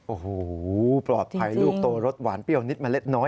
โอ้โหปลอดภัยลูกโตรสหวานเปรี้ยวนิดมาเล็กน้อย